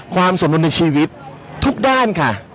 ความสมบูรณ์ในชีวิตทุกด้านค่ะ